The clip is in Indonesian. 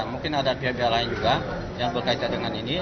mungkin ada pihak pihak lain juga yang berkaitan dengan ini